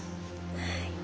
はい。